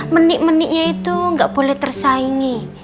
menik meniknya itu nggak boleh tersaingi